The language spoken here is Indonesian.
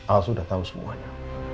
al sudah tahu semuanya